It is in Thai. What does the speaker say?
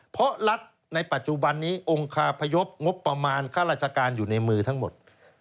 เพราะรัฐในปัจจุบันนี้องค์คาพยพงบประมาณค่าราชการอยู่ในมือทั้งหมด